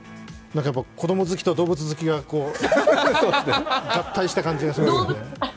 子供好きと動物好きが合体した感じがします。